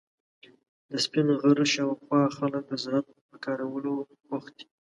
د سپین غر شاوخوا خلک د زراعت په کارونو بوخت دي.